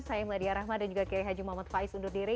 saya meladia rahma dan juga kiai haji muhammad faiz undur diri